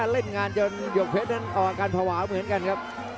เล่นงานจนหยกเพชรนั้นออกอาการภาวะเหมือนกันครับ